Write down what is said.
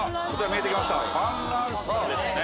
見えてきました観覧車ですね。